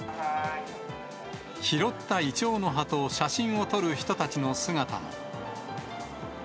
拾ったイチョウの葉と写真を撮る人たちの姿も。